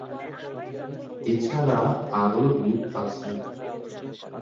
এছাড়া আরও রুট আছে।